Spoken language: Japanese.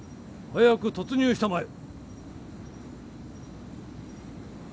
早く突入したまえ。